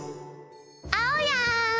・あおやん！